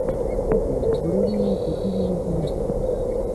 ওকে, ধরে নিন এই প্রথম আমি এখানে এসেছি।